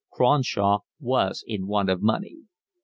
Cronshaw was in want of money.